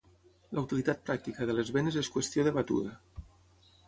La utilitat pràctica de les benes és qüestió debatuda.